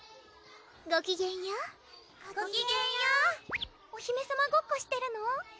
ごきげんようごきげんようお姫さまごっこしてるの？